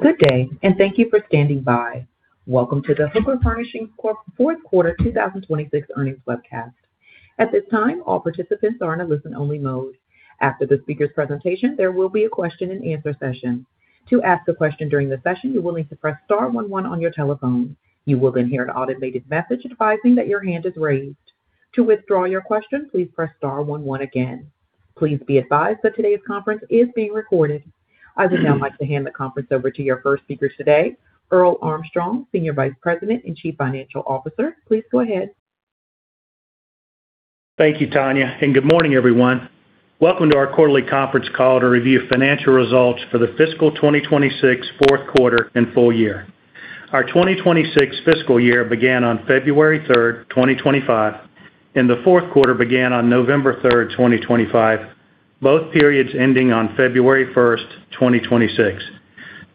Good day, and thank you for standing by. Welcome to the Hooker Furnishings Fourth Quarter 2026 Earnings Webcast. At this time, all participants are in a listen-only mode. After the speaker's presentation, there will be a question and answer session. To ask a question during the session, you will need to press star one one on your telephone. You will then hear an automated message advising that your hand is raised. To withdraw your question, please press star one one again. Please be advised that today's conference is being recorded. I would now like to hand the conference over to your first speaker today, Earl Armstrong, Senior Vice President and Chief Financial Officer. Please go ahead. Thank you, Tanya, and good morning, everyone. Welcome to our quarterly conference call to review financial results for the fiscal 2026 fourth quarter and full year. Our 2026 fiscal year began on February 3rd, 2025, and the fourth quarter began on November 3rd, 2025, both periods ending on February 1st, 2026.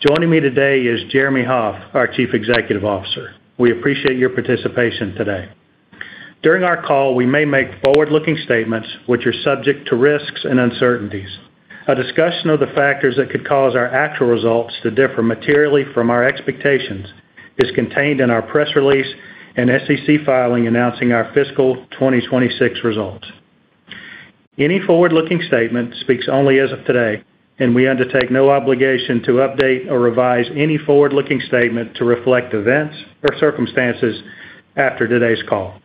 Joining me today is Jeremy Hoff, our Chief Executive Officer. We appreciate your participation today. During our call, we may make forward-looking statements which are subject to risks and uncertainties. A discussion of the factors that could cause our actual results to differ materially from our expectations is contained in our press release and SEC filing announcing our fiscal 2026 results. Any forward-looking statement speaks only as of today, and we undertake no obligation to update or revise any forward-looking statement to reflect events or circumstances after today's call.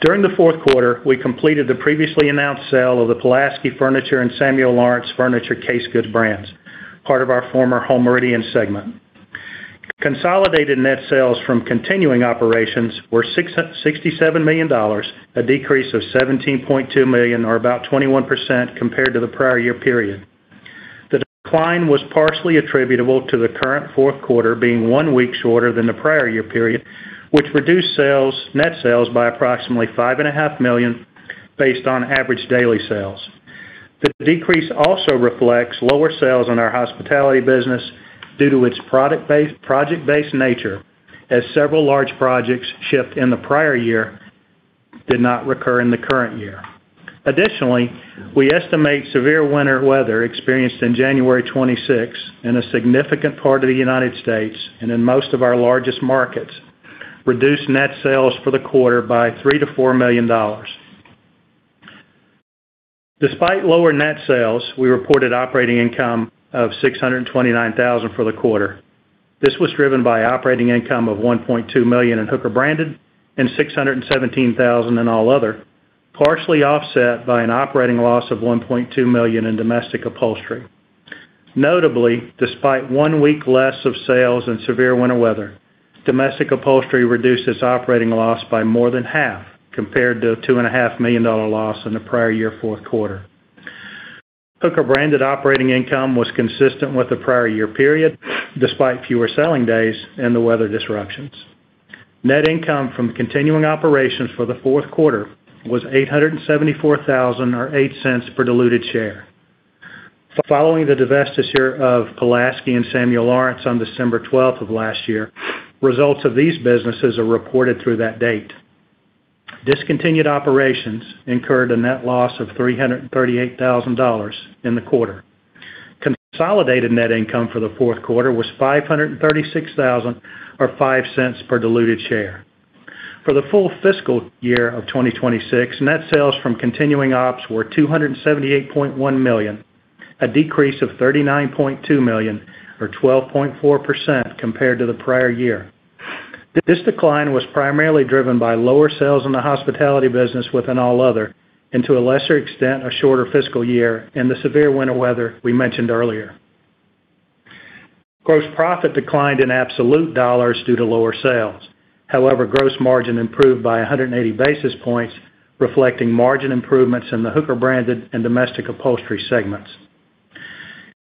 During the fourth quarter, we completed the previously announced sale of the Pulaski Furniture and Samuel Lawrence Furniture case goods brands, part of our former Home Meridian segment. Consolidated net sales from continuing operations were $67 million, a decrease of $17.2 million, or about 21% compared to the prior year period. The decline was partially attributable to the current fourth quarter being one week shorter than the prior year period, which reduced sales, net sales by approximately $5.5 million based on average daily sales. The decrease also reflects lower sales in our hospitality business due to its project-based nature, as several large projects shipped in the prior year did not recur in the current year. Additionally, we estimate severe winter weather experienced in January 2026 in a significant part of the United States and in most of our largest markets reduced net sales for the quarter by $3 million-$4 million. Despite lower net sales, we reported operating income of $629,000 for the quarter. This was driven by operating income of $1.2 million in Hooker Branded and $617,000 in all other, partially offset by an operating loss of $1.2 million in domestic upholstery. Notably, despite one week less of sales and severe winter weather, domestic upholstery reduced its operating loss by more than half compared to a $2.5 million loss in the prior year fourth quarter. Hooker Branded operating income was consistent with the prior year period, despite fewer selling days and the weather disruptions. Net income from continuing operations for the fourth quarter was $874,000 or $0.08 per diluted share. Following the divestiture of Pulaski and Samuel Lawrence on December 12th of last year, results of these businesses are reported through that date. Discontinued operations incurred a net loss of $338,000 in the quarter. Consolidated net income for the fourth quarter was $536,000 or $0.05 per diluted share. For the full fiscal year of 2026, net sales from continuing ops were $278.1 million, a decrease of $39.2 million or 12.4% compared to the prior year. This decline was primarily driven by lower sales in the hospitality business within all other, and to a lesser extent, a shorter fiscal year and the severe winter weather we mentioned earlier. Gross profit declined in absolute dollars due to lower sales. However, gross margin improved by 180 basis points, reflecting margin improvements in the Hooker Branded and domestic upholstery segments.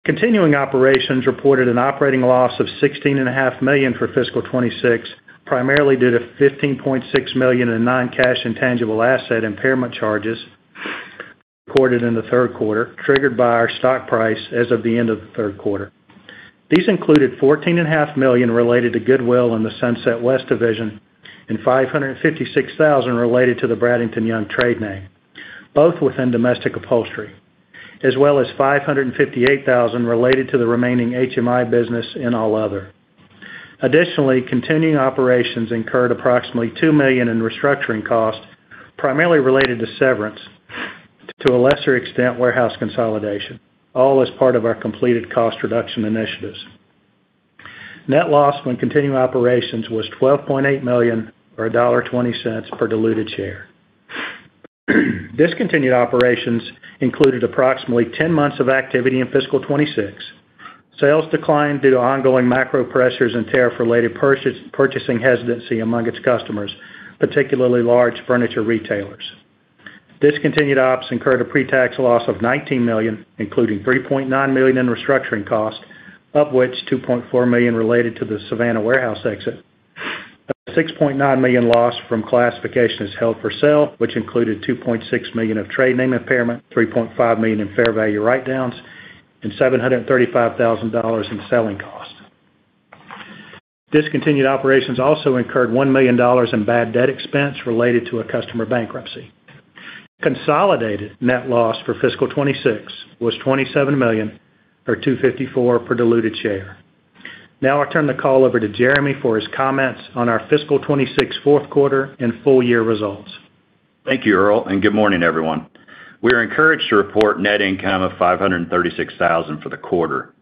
Continuing operations reported an operating loss of $16.5 million for fiscal 2026, primarily due to $15.6 million in non-cash intangible asset impairment charges reported in the third quarter, triggered by our stock price as of the end of the third quarter. These included $14.5 million related to goodwill in the Sunset West division and $556 thousand related to the Bradington-Young trade name, both within domestic upholstery, as well as $558 thousand related to the remaining HMI business in all other. Additionally, continuing operations incurred approximately $2 million in restructuring costs, primarily related to severance, to a lesser extent, warehouse consolidation, all as part of our completed cost reduction initiatives. Net loss from continuing operations was $12.8 million or $1.20 per diluted share. Discontinued operations included approximately 10 months of activity in fiscal 2026. Sales declined due to ongoing macro pressures and tariff-related purchasing hesitancy among its customers, particularly large furniture retailers. Discontinued ops incurred a pre-tax loss of $19 million, including $3.9 million in restructuring costs, of which $2.4 million related to the Savannah warehouse exit. A $6.9 million loss from classifications held for sale, which included $2.6 million of trade name impairment, $3.5 million in fair value write-downs, and $735,000 in selling costs. Discontinued operations also incurred $1 million in bad debt expense related to a customer bankruptcy. Consolidated net loss for fiscal 2026 was $27 million, or $2.54 per diluted share. Now I turn the call over to Jeremy for his comments on our fiscal 2026 fourth quarter and full year results. Thank you, Earl, and good morning, everyone. We are encouraged to report net income of $536,000 for the quarter.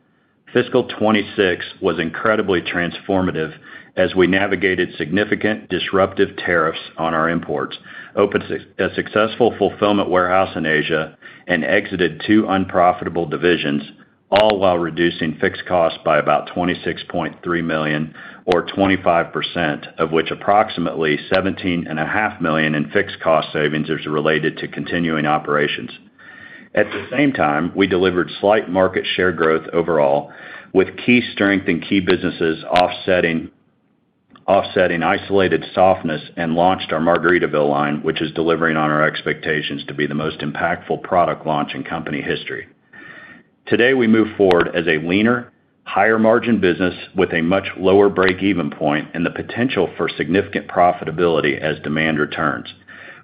Fiscal 2026 was incredibly transformative as we navigated significant disruptive tariffs on our imports, opened a successful fulfillment warehouse in Asia, and exited two unprofitable divisions, all while reducing fixed costs by about $26.3 million, or 25%, of which approximately $17.5 million in fixed cost savings is related to continuing operations. At the same time, we delivered slight market share growth overall, with key strength in key businesses offsetting isolated softness, and launched our Margaritaville line, which is delivering on our expectations to be the most impactful product launch in company history. Today, we move forward as a leaner, higher margin business with a much lower break-even point and the potential for significant profitability as demand returns.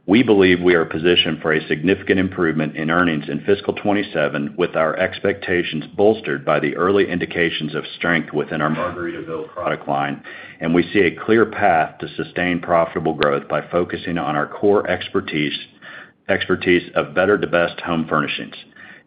We believe we are positioned for a significant improvement in earnings in fiscal 2027, with our expectations bolstered by the early indications of strength within our Margaritaville product line. We see a clear path to sustained profitable growth by focusing on our core expertise of better to best home furnishings.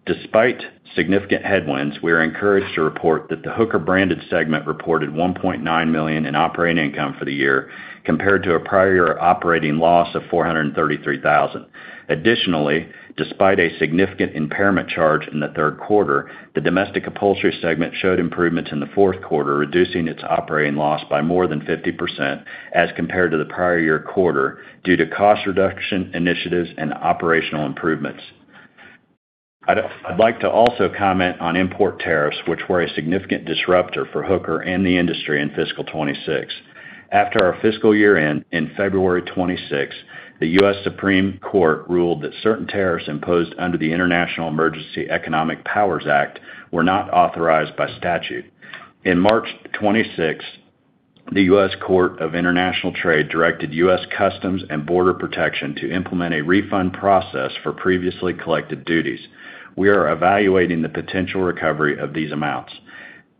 Despite significant headwinds, we are encouraged to report that the Hooker Branded segment reported $1.9 million in operating income for the year, compared to a prior operating loss of $433,000. Additionally, despite a significant impairment charge in the third quarter, the Domestic Upholstery segment showed improvements in the fourth quarter, reducing its operating loss by more than 50% as compared to the prior year quarter due to cost reduction initiatives and operational improvements. I'd like to also comment on import tariffs, which were a significant disrupter for Hooker and the industry in fiscal 2026. After our fiscal year-end in February 2026, the U.S. Supreme Court ruled that certain tariffs imposed under the International Emergency Economic Powers Act were not authorized by statute. In March 2026, the U.S. Court of International Trade directed U.S. Customs and Border Protection to implement a refund process for previously collected duties. We are evaluating the potential recovery of these amounts.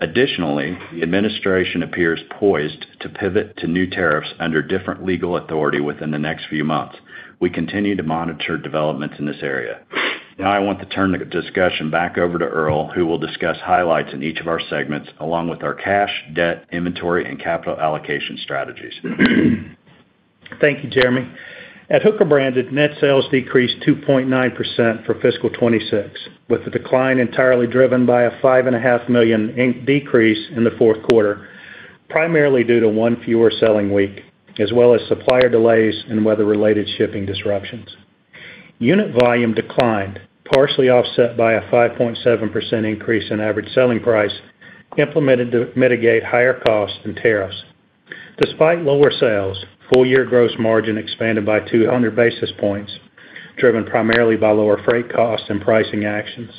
Additionally, the administration appears poised to pivot to new tariffs under different legal authority within the next few months. We continue to monitor developments in this area. Now I want to turn the discussion back over to Earl, who will discuss highlights in each of our segments, along with our cash, debt, inventory, and capital allocation strategies. Thank you, Jeremy. At Hooker Branded, net sales decreased 2.9% for fiscal 2026, with the decline entirely driven by a $5.5 million decrease in the fourth quarter, primarily due to one fewer selling week, as well as supplier delays and weather-related shipping disruptions. Unit volume declined, partially offset by a 5.7% increase in average selling price, implemented to mitigate higher costs and tariffs. Despite lower sales, full year gross margin expanded by 200 basis points, driven primarily by lower freight costs and pricing actions.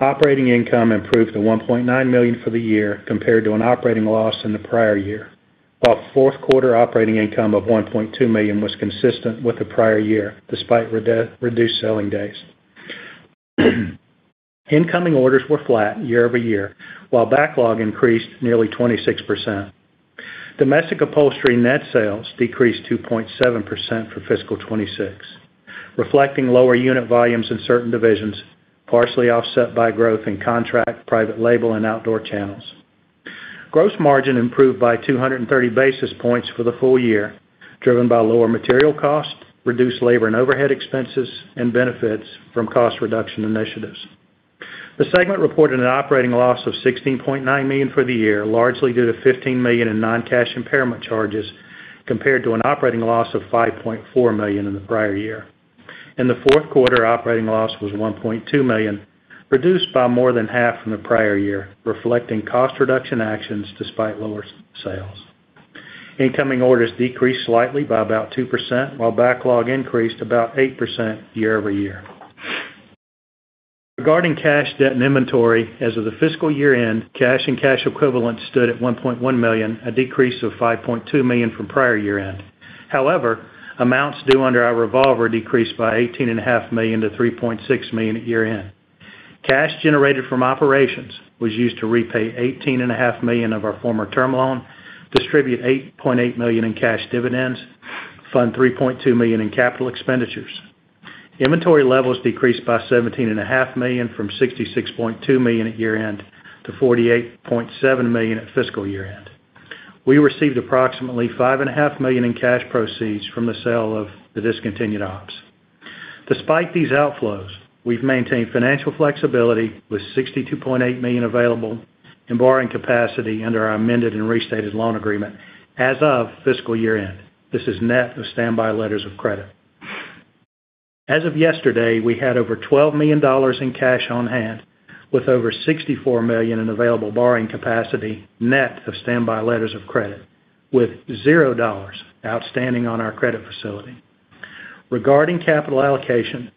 Operating income improved to $1.9 million for the year compared to an operating loss in the prior year, while fourth quarter operating income of $1.2 million was consistent with the prior year, despite reduced selling days. Incoming orders were flat year-over-year, while backlog increased nearly 26%. Domestic Upholstery net sales decreased 2.7% for fiscal 2026, reflecting lower unit volumes in certain divisions, partially offset by growth in contract, private label, and outdoor channels. Gross margin improved by 230 basis points for the full year, driven by lower material costs, reduced labor and overhead expenses, and benefits from cost reduction initiatives. The segment reported an operating loss of $16.9 million for the year, largely due to $15 million in non-cash impairment charges compared to an operating loss of $5.4 million in the prior year. In the fourth quarter, operating loss was $1.2 million, reduced by more than half from the prior year, reflecting cost reduction actions despite lower sales. Incoming orders decreased slightly by about 2%, while backlog increased about 8% year-over-year. Regarding cash, debt, and inventory, as of the fiscal year-end, cash and cash equivalents stood at $1.1 million, a decrease of $5.2 million from prior year-end. However, amounts due under our revolver decreased by $18.5 million-$3.6 million at year-end. Cash generated from operations was used to repay $18.5 million of our former term loan, distribute $8.8 million in cash dividends, fund $3.2 million in capital expenditures. Inventory levels decreased by $17.5 million from $66.2 million at year-end to $48.7 million at fiscal year-end. We received approximately $5.5 million in cash proceeds from the sale of the discontinued ops. Despite these outflows, we've maintained financial flexibility with $62.8 million available in borrowing capacity under our amended and restated loan agreement as of fiscal year-end. This is net of standby letters of credit. As of yesterday, we had over $12 million in cash on hand, with over $64 million in available borrowing capacity net of standby letters of credit, with $0 outstanding on our credit facility. Regarding capital allocation,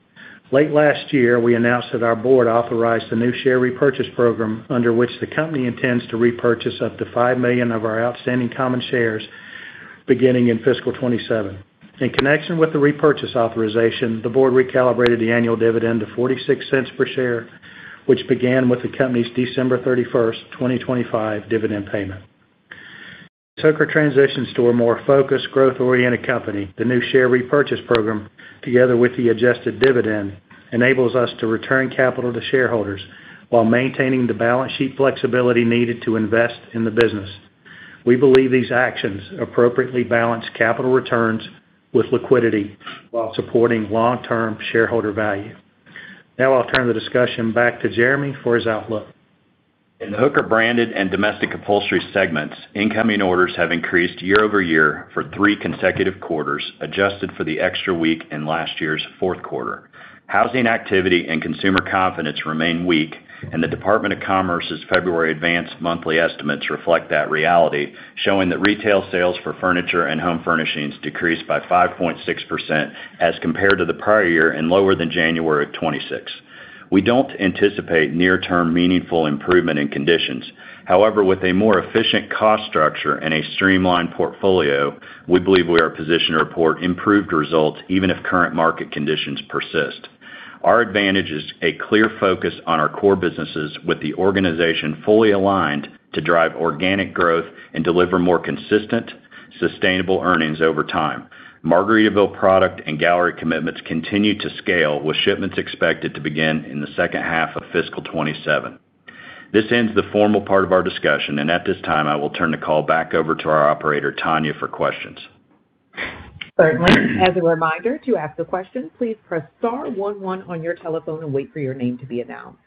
late last year, we announced that our board authorized a new share repurchase program under which the company intends to repurchase up to 5 million of our outstanding common shares beginning in fiscal 2027. In connection with the repurchase authorization, the board recalibrated the annual dividend to $0.46 per share, which began with the company's December 31st, 2025 dividend payment. Hooker Furnishings transitions to a more focused, growth-oriented company. The new share repurchase program, together with the adjusted dividend, enables us to return capital to shareholders while maintaining the balance sheet flexibility needed to invest in the business. We believe these actions appropriately balance capital returns with liquidity while supporting long-term shareholder value. Now I'll turn the discussion back to Jeremy for his outlook. In the Hooker Branded and Domestic Upholstery segments, incoming orders have increased year-over-year for three consecutive quarters, adjusted for the extra week in last year's fourth quarter. Housing activity and consumer confidence remain weak, and the Department of Commerce's February advanced monthly estimates reflect that reality, showing that retail sales for furniture and home furnishings decreased by 5.6% as compared to the prior year and lower than January of 2026. We don't anticipate near-term meaningful improvement in conditions. However, with a more efficient cost structure and a streamlined portfolio, we believe we are positioned to report improved results even if current market conditions persist. Our advantage is a clear focus on our core businesses with the organization fully aligned to drive organic growth and deliver more consistent, sustainable earnings over time. Margaritaville product and gallery commitments continue to scale, with shipments expected to begin in the second half of fiscal 2027. This ends the formal part of our discussion, and at this time, I will turn the call back over to our operator, Tanya, for questions. Certainly. As a reminder, to ask a question, please press star one one on your telephone and wait for your name to be announced.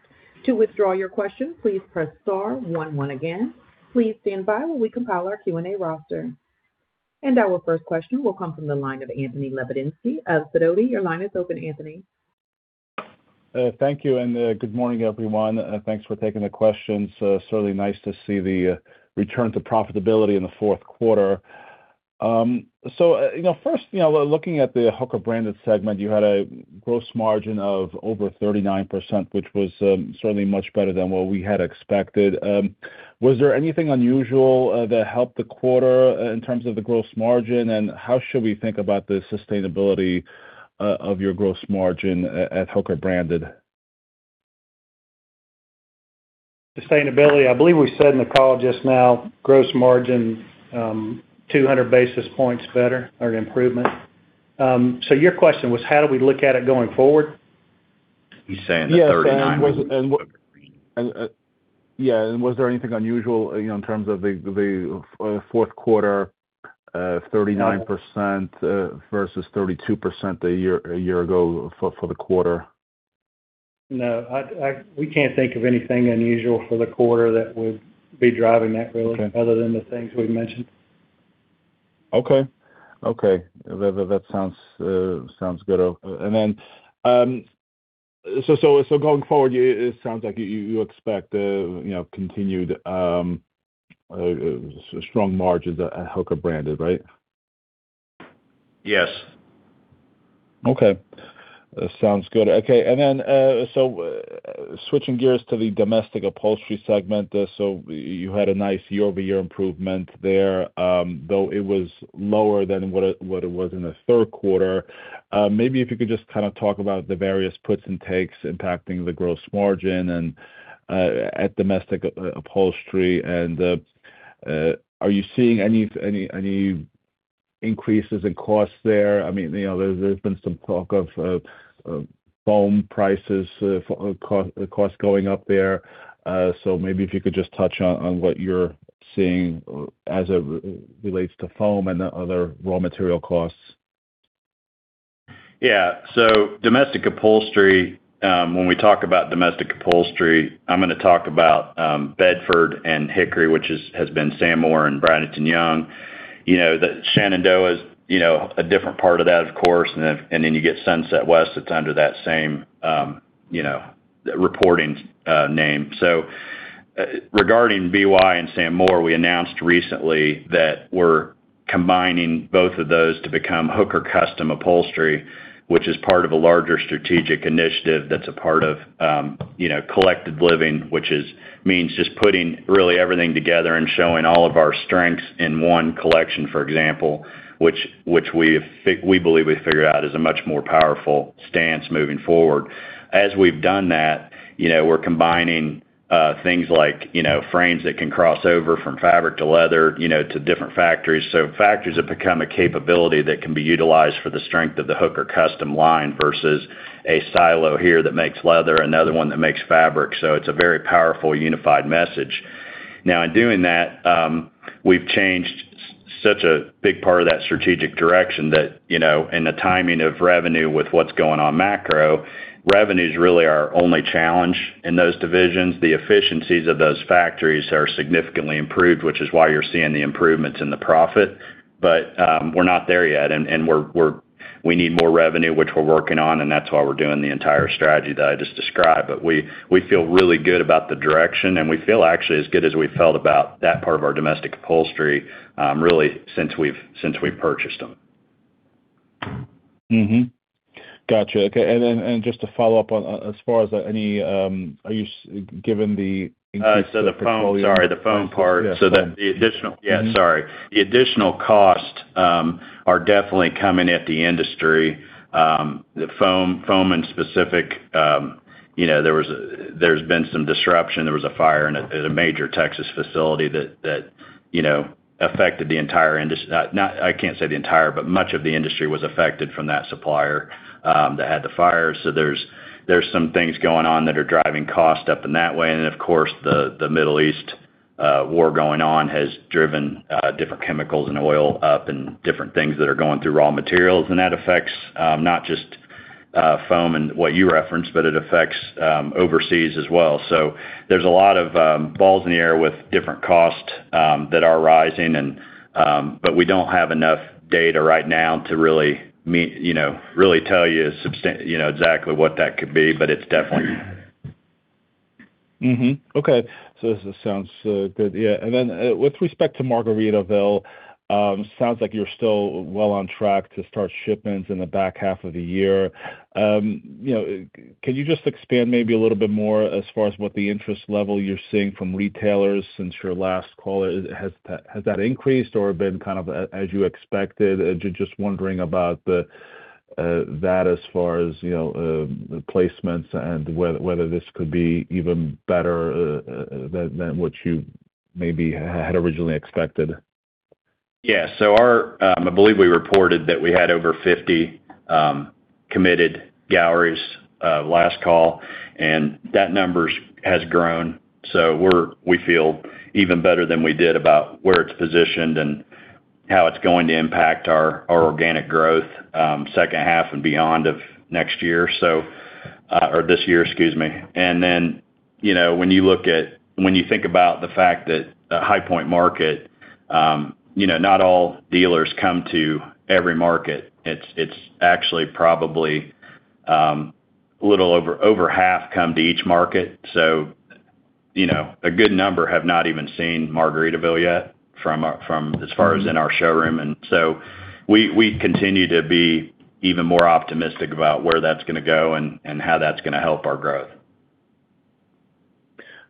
To withdraw your question, please press star one one again. Please stand by while we compile our Q&A roster. Our first question will come from the line of Anthony Lebiedzinski of Sidoti. Your line is open, Anthony. Thank you, and good morning, everyone. Thanks for taking the questions. Certainly nice to see the return to profitability in the fourth quarter. So first, looking at the Hooker Branded segment, you had a gross margin of over 39%, which was certainly much better than what we had expected. Was there anything unusual that helped the quarter in terms of the gross margin? How should we think about the sustainability of your gross margin at Hooker Branded? Sustainability, I believe we said in the call just now, gross margin, 200 basis points better or an improvement. Your question was how do we look at it going forward? He's saying the 39%- Yes. Was there anything unusual in terms of the fourth quarter, 39% versus 32% a year ago for the quarter? No, we can't think of anything unusual for the quarter that would be driving that really- Okay. Other than the things we've mentioned. Okay. Okay, that sounds good. Going forward, it sounds like you expect continued strong margins at Hooker Branded, right? Yes. Okay. Sounds good. Okay. Switching gears to the Domestic Upholstery segment, you had a nice year-over-year improvement there, though it was lower than what it was in the third quarter. Maybe if you could just talk about the various puts and takes impacting the gross margin at Domestic Upholstery. Are you seeing any increases in costs there? There's been some talk of foam prices cost going up there. Maybe if you could just touch on what you're seeing as it relates to foam and other raw material costs. Yeah. Domestic Upholstery, when we talk about Domestic Upholstery, I'm going to talk about Bedford and Hickory, which has been Sam Moore and Bradington-Young. Shenandoah is a different part of that, of course. Then you get Sunset West that's under that same reporting name. Regarding BY and Sam Moore, we announced recently that we're combining both of those to become Hooker Custom Upholstery, which is part of a larger strategic initiative that's a part of Collected Living, which means just putting really everything together and showing all of our strengths in one collection, for example, which we believe we figured out is a much more powerful stance moving forward. As we've done that, we're combining things like frames that can cross over from fabric to leather, to different factories. Factories have become a capability that can be utilized for the strength of the Hooker Custom line versus a silo here that makes leather, another one that makes fabric. It's a very powerful, unified message. Now, in doing that, we've changed such a big part of that strategic direction that in the timing of revenue with what's going on macro, revenue's really our only challenge in those divisions. The efficiencies of those factories are significantly improved, which is why you're seeing the improvements in the profit. We're not there yet, and we need more revenue, which we're working on, and that's why we're doing the entire strategy that I just described. We feel really good about the direction, and we feel actually as good as we felt about that part of our Domestic Upholstery really since we've purchased them. Got you. Okay, just to follow up, as far as are you given the increase of the petroleum? Sorry, the foam part. Yeah, sorry. The additional cost are definitely coming at the industry. The foam and specific, there's been some disruption. There was a fire in a major Texas facility that affected the entire industry. I can't say the entire, but much of the industry was affected from that supplier that had the fire. There's some things going on that are driving cost up in that way. Of course, the Middle East war going on has driven different chemicals and oil up and different things that are going through raw materials. That affects not just foam and what you referenced, but it affects overseas as well. There's a lot of balls in the air with different costs that are rising, but we don't have enough data right now to really tell you exactly what that could be. But it's definitely. This sounds good. With respect to Margaritaville, sounds like you're still well on track to start shipments in the back half of the year. Can you just expand maybe a little bit more as far as what the interest level you're seeing from retailers since your last call? Has that increased or been kind of as you expected? Just wondering about that as far as placements and whether this could be even better than what you maybe had originally expected. Yeah. I believe we reported that we had over 50 committed galleries last call, and that number has grown. We feel even better than we did about where it's positioned and how it's going to impact our organic growth second half and beyond of next year or this year, excuse me. When you think about the fact that at High Point market, not all dealers come to every market. It's actually probably a little over half come to each market. A good number have not even seen Margaritaville yet from as far as in our showroom. We continue to be even more optimistic about where that's going to go and how that's going to help our growth.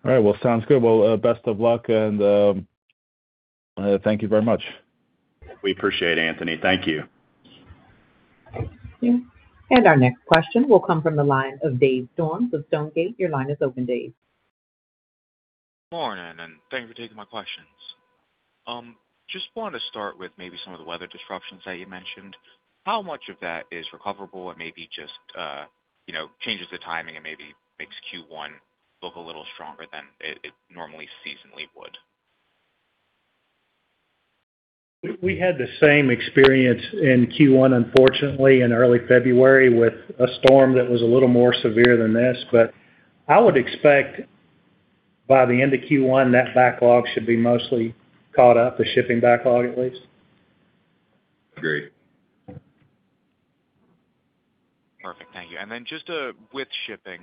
All right. Well, sounds good. Well, best of luck, and thank you very much. We appreciate it, Anthony. Thank you. Our next question will come from the line of Dave Storms from Stonegate. Your line is open, Dave. Morning, and thanks for taking my questions. Just wanted to start with maybe some of the weather disruptions that you mentioned. How much of that is recoverable and maybe just changes the timing and maybe makes Q1 look a little stronger than it normally seasonally would? We had the same experience in Q1, unfortunately, in early February with a storm that was a little more severe than this. I would expect by the end of Q1, that backlog should be mostly caught up, the shipping backlog at least. Great. Perfect. Thank you. Just with shipping,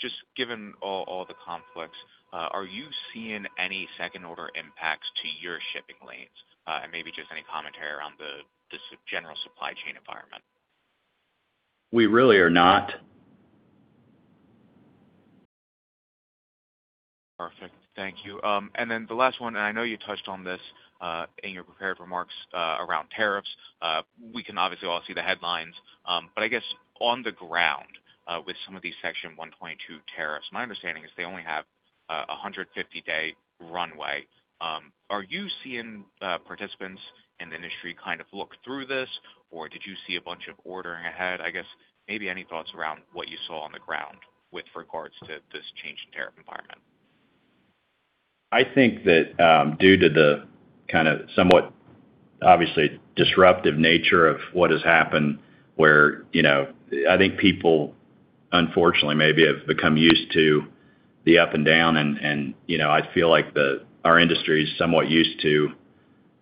just given all the conflicts, are you seeing any second order impacts to your shipping lanes? Maybe just any commentary around the general supply chain environment. We really are not. Perfect. Thank you. Then the last one, I know you touched on this in your prepared remarks around tariffs. We can obviously all see the headlines, I guess on the ground with some of these Section 122 tariffs, my understanding is they only have 150-day runway. Are you seeing participants in the industry kind of look through this, or did you see a bunch of ordering ahead? I guess maybe any thoughts around what you saw on the ground with regards to this change in tariff environment. I think that due to the kind of somewhat obviously disruptive nature of what has happened, where I think people, unfortunately, maybe have become used to the up and down, and I feel like our industry is somewhat used to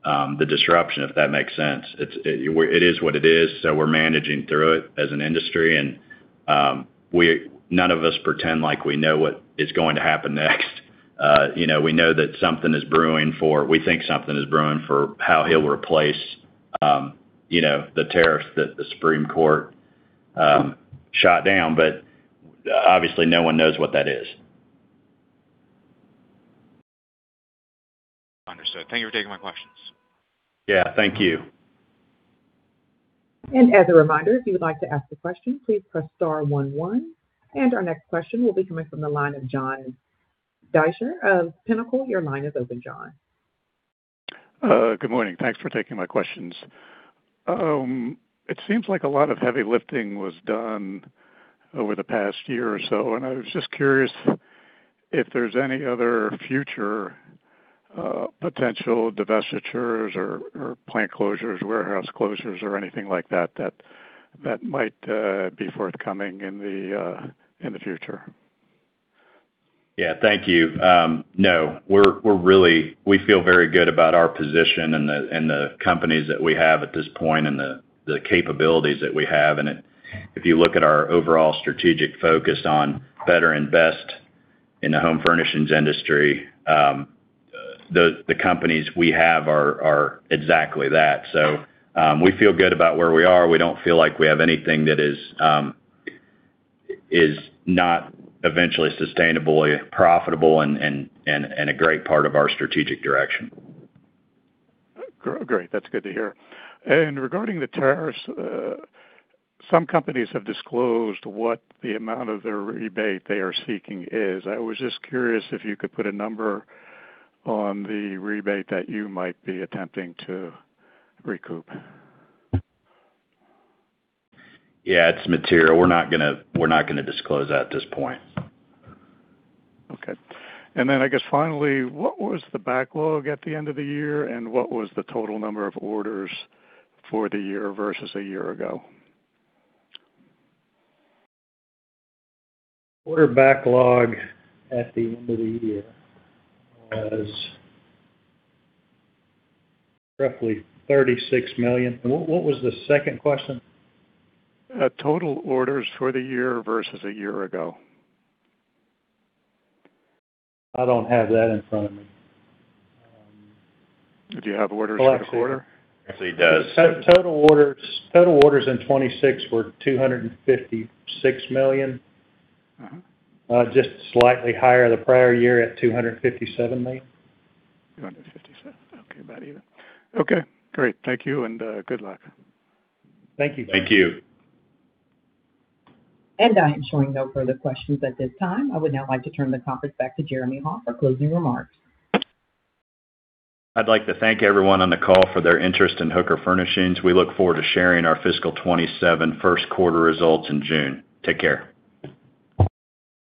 the disruption, if that makes sense. It is what it is, so we're managing through it as an industry. None of us pretend like we know what is going to happen next. We think something is brewing for how he'll replace the tariffs that the Supreme Court shot down. Obviously, no one knows what that is. Understood. Thank you for taking my questions. Yeah. Thank you. As a reminder, if you would like to ask a question, please press star one one Our next question will be coming from the line of John Deysher of Pinnacle. Your line is open, John. Good morning. Thanks for taking my questions. It seems like a lot of heavy lifting was done over the past year or so, and I was just curious if there's any other future potential divestitures or plant closures, warehouse closures, or anything like that that might be forthcoming in the future? Yeah. Thank you. No. We feel very good about our position and the companies that we have at this point and the capabilities that we have. If you look at our overall strategic focus on better investments in the home furnishings industry, the companies we have are exactly that. We feel good about where we are. We don't feel like we have anything that is not eventually sustainable, and profitable and a great part of our strategic direction. Great. That's good to hear. Regarding the tariffs, some companies have disclosed what the amount of their rebate they are seeking is. I was just curious if you could put a number on the rebate that you might be attempting to recoup. Yeah, it's material. We're not going to disclose that at this point. Okay. I guess finally, what was the backlog at the end of the year, and what was the total number of orders for the year versus a year ago? Order backlog at the end of the year was roughly $36 million. What was the second question? Total orders for the year versus a year ago. I don't have that in front of me. Do you have orders for the quarter? Yes, he does. Total orders in 2026 were 256 million. Mm-hmm. Just slightly higher than the prior year at 257 million, Nate. 257 million. Okay, about even. Okay, great. Thank you, and good luck. Thank you. Thank you. I am showing no further questions at this time. I would now like to turn the conference back to Jeremy Hoff for closing remarks. I'd like to thank everyone on the call for their interest in Hooker Furnishings. We look forward to sharing our fiscal 2027 first quarter results in June. Take care.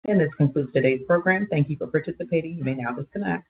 This concludes today's program. Thank you for participating. You may now disconnect.